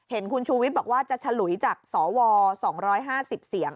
เห็นคุณชูวิทย์บอกว่าจะฉลุยจากสว๒๕๐เสียง